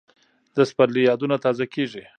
د سپرلي یادونه تازه کېږي